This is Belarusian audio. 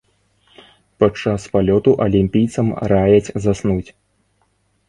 Падчас палёту алімпійцам раяць заснуць.